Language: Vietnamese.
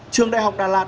trường đại học đà lạt